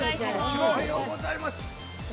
◆おはようございます。